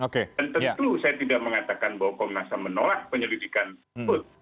dan tentu saya tidak mengatakan bahwa komnas ham menolak penyelidikan tersebut